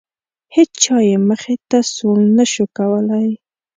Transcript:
هیچا یې مخې ته سوڼ نه شو کولی.